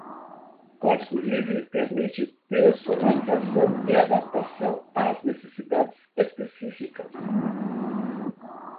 Código livre permite personalização e adaptação às necessidades específicas.